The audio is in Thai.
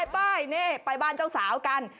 ไปนี่ไปบ้านเจ้าสาวกัน